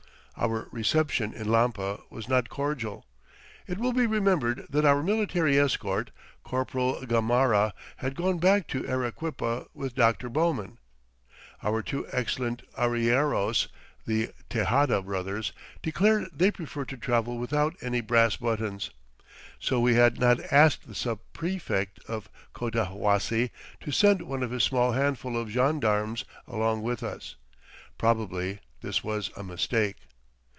Our reception in Lampa was not cordial. It will be remembered that our military escort, Corporal Gamarra, had gone back to Arequipa with Dr. Bowman. Our two excellent arrieros, the Tejada brothers, declared they preferred to travel without any "brass buttons," so we had not asked the sub prefect of Cotahuasi to send one of his small handful of gendarmes along with us. Probably this was a mistake.